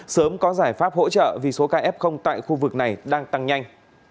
sớm có giải pháp hỗ trợ vì số kf tại khu vực này đang tăng nhanh